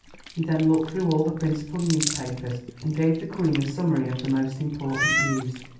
He then looked through all the principal newspapers and gave the Queen a summary of the most important news.